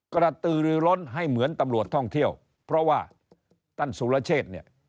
กระตือรือล้นให้เหมือนตำรวจท่องเที่ยวเพราะว่าท่านสุรเชษเนี่ย